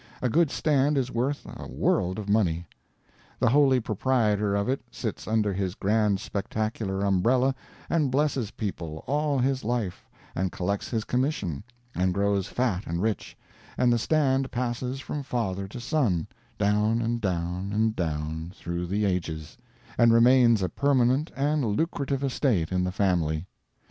A good stand is worth a world of money. The holy proprietor of it sits under his grand spectacular umbrella and blesses people all his life, and collects his commission, and grows fat and rich; and the stand passes from father to son, down and down and down through the ages, and remains a permanent and lucrative estate in the family.